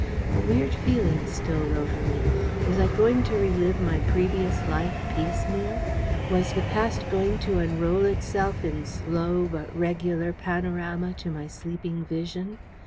A weird feeling stole over me. Was I going to relive my previous life, piecemeal? Was the past going to unroll itself in slow but regular panorama to my sleeping vision?